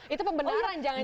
itu pembenaran jangan jangan